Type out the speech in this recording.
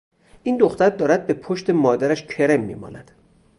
این دختر دارد به پشت مادرش کرم میمالد.